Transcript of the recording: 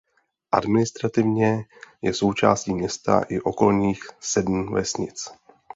Administrativně je součástí města i okolních sedm vesnic.